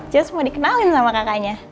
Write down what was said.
jos mau dikenalin sama kakaknya